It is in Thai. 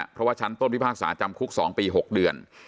เพราะว่าชั้นต้นพิพากษาจำคุก๒ปี๖เดือน